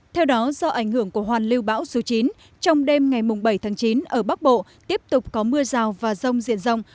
theo đó do ảnh hưởng của hoàn lưu bão số chín trong đêm ngày bảy tháng chín ở bắc bộ tiếp tục có mưa rào và rông diện rộng